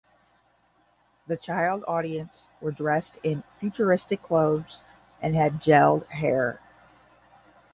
The child audience were dressed in futuristic clothes and had gelled hair.